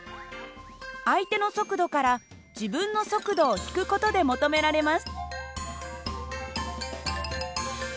相手の速度から自分の速度を引く事で求められます。